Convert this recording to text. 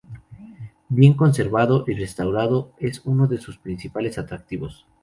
Bien conservado y restaurado, es uno de sus principales atractivos.